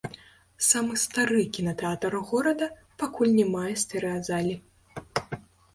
Самы стары кінатэатр горада пакуль не мае стэрэазалі.